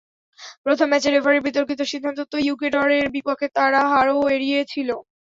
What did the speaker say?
প্রথম ম্যাচে রেফারির বিতর্কিত সিদ্ধান্তে তো ইকুয়েডরের বিপক্ষে তারা হারও এড়িয়ে ছিল।